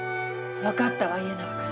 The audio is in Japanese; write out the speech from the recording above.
分かったわ家長君。